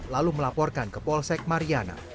lalu melaporkan ke polsek mariana